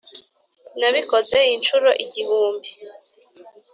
nabikoze inshuro igihumbi.